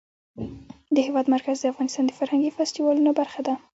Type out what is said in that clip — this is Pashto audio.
د هېواد مرکز د افغانستان د فرهنګي فستیوالونو برخه ده.